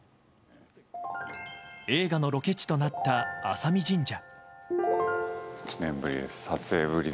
映画のロケ地となった朝見神社。